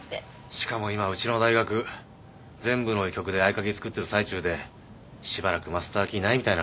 しかも今うちの大学全部の医局で合鍵作ってる最中でしばらくマスターキーないみたいなんですよ。